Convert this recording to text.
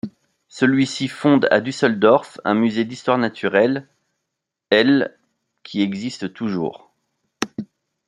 Celui-ci fonde à Düsseldorf un musée d’histoire naturelle, l’, qui existe toujours.